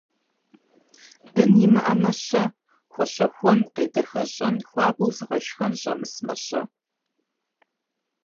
Бын имыӀэмэ-щэ? Хуэщэхуэн, къедэхэщӀэн, хуабэу зыгъэшхэн щӀэмысмэ-щэ?